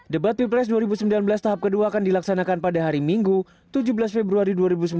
debat pilpres dua ribu sembilan belas tahap kedua akan dilaksanakan pada hari minggu tujuh belas februari dua ribu sembilan belas